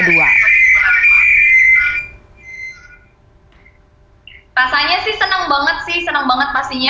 rasanya sih seneng banget sih senang banget pastinya